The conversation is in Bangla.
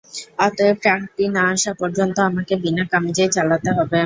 অতএব ট্রাঙ্কটি না আসা পর্যন্ত আমাকে বিনা কামিজেই চালাতে হবে।